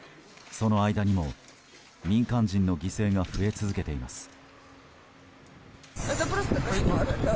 その間にも、民間人の犠牲が増え続けています。